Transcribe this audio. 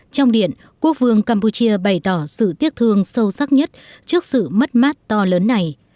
trong điện quốc vương campuchia bày tỏ sự tiếc thương sâu sắc nhất trước sự mất mát to lớn này